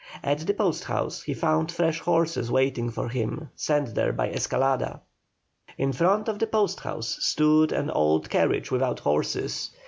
At the post house he found fresh horses waiting for him, sent there by Escalada. In front of the post house stood an old carriage without horses.